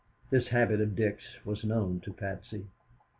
This habit of Dick's was known to Patsy.